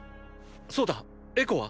そうだエコは？